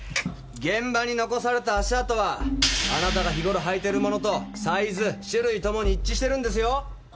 現場に残された足跡はあなたが日頃履いているものとサイズ種類ともに一致してるんですよ。